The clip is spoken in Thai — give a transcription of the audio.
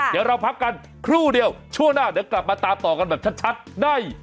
เดี๋ยวเราพักกันครู่เดียวช่วงหน้าเดี๋ยวกลับมาตามต่อกันแบบชัดใน